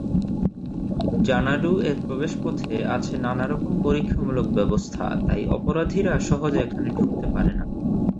জানাডু-এর প্রবেশপথে আছে নানারকম পরীক্ষামূলক ব্যবস্থা, তাই অপরাধীরা সহজে এখানে ঢুকতে পারে না।